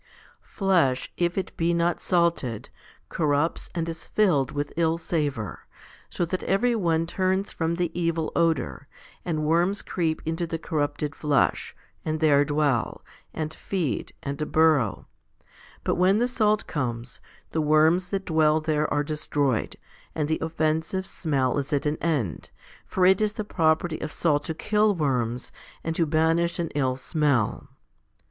Flesh, if it be not salted, corrupts and is filled with ill savour, so that every one turns from the evil odour, and worms creep into the corrupted flesh, and there dwell, and feed, and burrow; but when the salt comes, the worms that dwell there are destroyed, and the offensive smell is at an end ; for it is the property of salt to kill worms and to banish an ill smell.